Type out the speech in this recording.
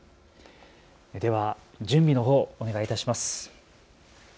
では準備のほう、お願いいたします。